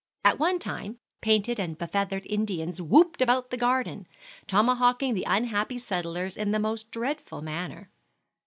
At one time, painted and be feathered Indians whooped about the garden, tomahawking the unhappy settlers in the most dreadful manner.